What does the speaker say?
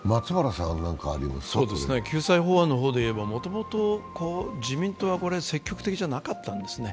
救済法案の方でいえばもともと自民党は積極的じゃなかったんですね。